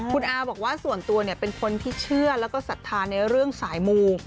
คุณอาบอกว่าส่วนตัวเป็นคนที่เชื่อแล้วก็ศรัทธาในเรื่องสายมู